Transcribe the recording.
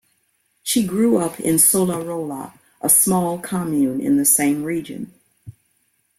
She grew up in Solarolo, a small "comune" in the same region.